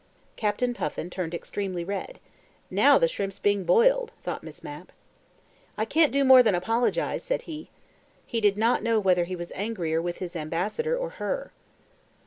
Captain Puffin turned extremely red. ("Now the shrimp's being boiled," thought Miss Mapp.) "I can't do more than apologize," said he. He did not know whether he was angrier with his ambassador or her.